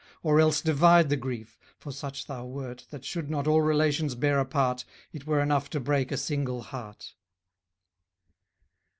Or else divide the grief; for such thou wert, } That should not all relations bear a part, } It were enough to break a single heart.